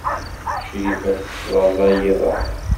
Crifa teslaẓay iḍan.